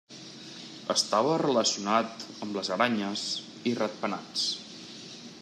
Estava relacionat amb les aranyes i rat-penats.